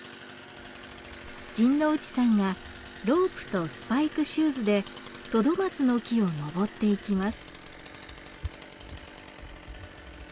陣内さんがロープとスパイクシューズでトドマツの木を登っていきます。